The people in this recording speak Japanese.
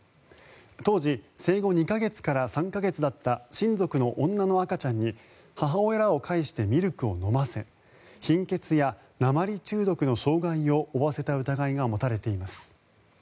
当時生後２か月から３か月だった親族の女の赤ちゃんに母親らを介してミルクを飲ませ貧血や鉛中毒の傷害を負わせた疑いが持たれています。